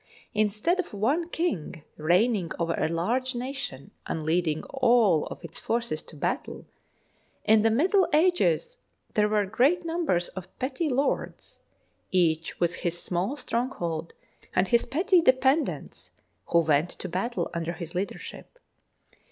Instead of one king reigning over a large nation and leading all of its forces to battle, in the Middle Ages there were great numbers of petty lords, each with his small stronghold and his petty dependants who went to battle under his leadership.